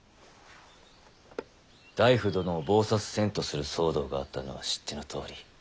内府殿を謀殺せんとする騒動があったのは知ってのとおり。